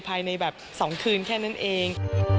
ภายในแบบ๒คืนแค่นั้นเอง